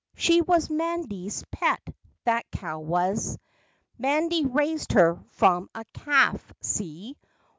She was 'Mandy's pet, that cow was. 'Mandy raised her from a calf, see!